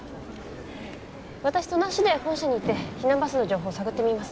私その足で本社に行って避難バスの情報探ってみます